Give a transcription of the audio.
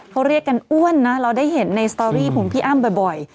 เขาเรียกกันอ้วนนะเราได้เห็นในสตอรี่ของพี่อ้ำบ่อย